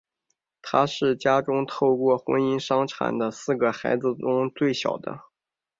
他是家中透过婚姻生产的四个孩子中最小的。